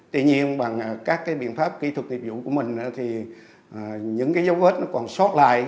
tuy nhiên bằng các biện pháp kỹ thuật nghiệp dụng của mình thì những dấu vết còn sót lại